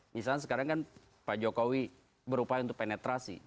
misalnya sekarang kan pak jokowi berupaya untuk penetrasi